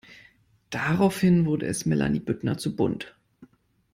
Daraufhin wurde es Melanie Büttner zu bunt.